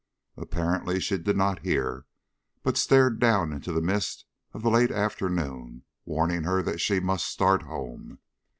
Apparently she did not hear, but stared down into the mist of the late afternoon, warning her that she must start home.